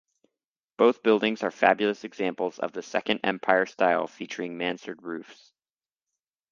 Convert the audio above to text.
Both buildings are fabulous examples of the Second Empire style featuring mansard roofs.